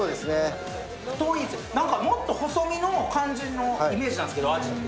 もっと細身の感じのイメージなんですけど、アジって。